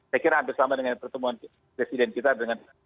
saya kira hampir sama dengan pertemuan presiden kita dengan